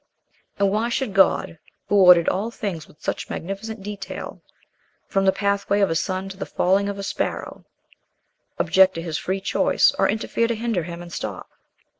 And why should God, who ordered all things with such magnificent detail, from the pathway of a sun to the falling of a sparrow, object to his free choice, or interfere to hinder him and stop?